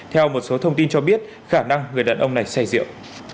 theo một số thông tin cho biết khả năng người đàn ông này xe diệu